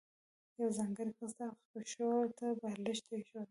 یو ځانګړی کس د هغه پښو ته بالښت ایښوده.